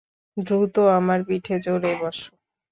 দ্রুত আমার পিঠে চড়ে বসো।